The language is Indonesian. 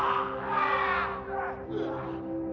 tunggu dulu pak